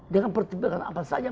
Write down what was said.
dengan pertimbangan apa saja